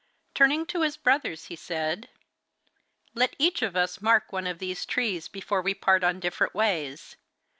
Turning to his brothers he said: 'Let each of us mark one of these trees before we part on different ways.